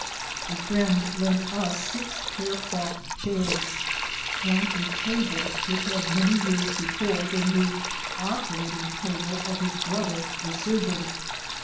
A friend lent us six hair cloth chairs, and a table which had many years before been the operating table of his brother, a surgeon.